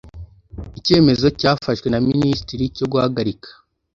icyemezo cyafashwe na minisitiri cyo guhagarika